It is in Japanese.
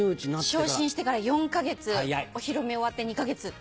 昇進してから４か月お披露目終わって２か月。